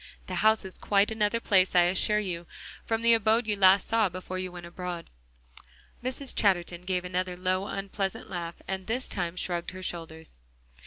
The house is quite another place, I assure you, from the abode you saw last before you went abroad." Mrs. Chatterton gave another low, unpleasant laugh, and this time shrugged her shoulders.